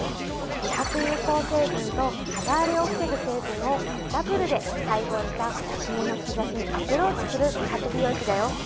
美白有効成分と肌荒れを防ぐ成分をダブルで配合したシミの兆しにアプローチする美白美容液だよ